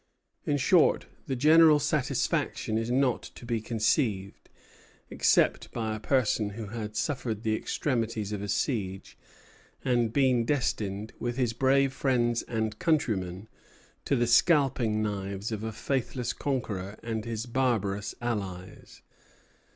In short, the general satisfaction is not to be conceived, except by a person who had suffered the extremities of a siege, and been destined, with his brave friends and countrymen, to the scalping knives of a faithless conqueror and his barbarious allies."